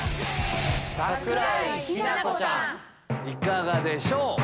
いかがでしょう？